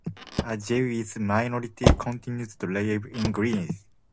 A Jewish minority continues to live in Greece.